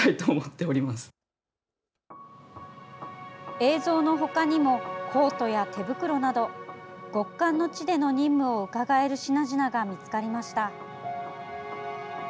映像のほかにもコートや手袋など極寒の地での任務をうかがえる品々が見つかりました。